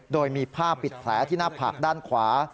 โดยมีผ้าปิดแผลที่หน้าผากด้านขวา